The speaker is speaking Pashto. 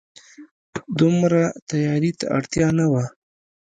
دومره تياري ته اړتيا نه وه